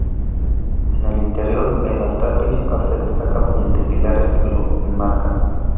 En el interior, el altar principal se destaca mediante pilares que lo enmarcan.